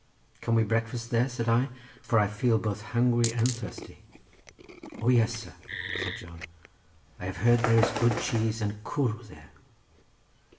"Can we breakfast there," said I, "for I feel both hungry and thirsty?" "O, yes, sir," said John, "I have heard there is good cheese and cwrw there."